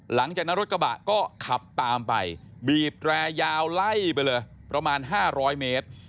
หลังจากนั้นรถกระบะก็ขับตามไปบีบแรยาวไล่ไปเลยประมาณ๕๐๐เมตร